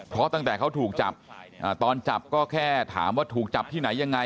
เพราะตั้งแต่เขาถูกจับตอนจับก็แค่ถามว่าถูกจับที่ไหนยังไง